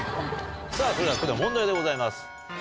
さぁそれではここで問題でございます。